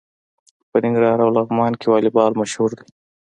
په ننګرهار او لغمان کې والیبال مشهور دی.